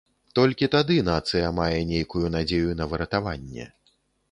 Толькі тады нацыя мае нейкую надзею на выратаванне.